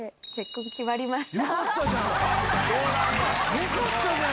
よかったじゃん！